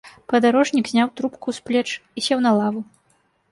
Падарожнік зняў трубку з плеч і сеў на лаву.